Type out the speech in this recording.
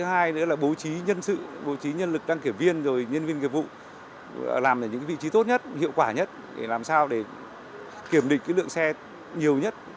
thứ hai nữa là bố trí nhân sự bố trí nhân lực đăng kiểm viên rồi nhân viên nghiệp vụ làm ở những vị trí tốt nhất hiệu quả nhất để làm sao để kiểm định lượng xe nhiều nhất